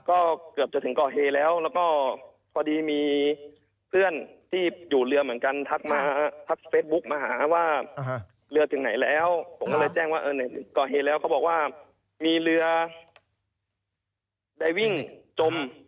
ก็เกือบจะถึงก่อเหตุแล้วแล้วก็พอดีมีเพื่อนที่อยู่เรือเหมือนกันทักมาทักเฟซบุ๊กมาหาว่าเรือถึงไหนแล้วผมก็เลยแจ้งว่าก่อเหตุแล้วเขาบอกว่ามีเรือได้วิ่งจม